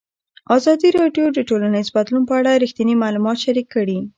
ازادي راډیو د ټولنیز بدلون په اړه رښتیني معلومات شریک کړي.